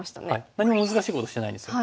何も難しいことしてないんですよ。